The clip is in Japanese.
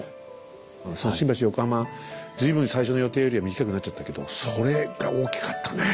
新橋・横浜随分最初の予定よりは短くなっちゃったけどそれが大きかったね。